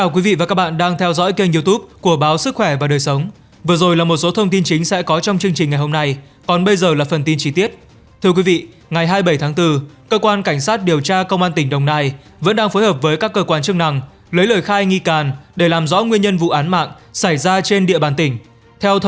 các bạn hãy đăng ký kênh để ủng hộ kênh của chúng mình nhé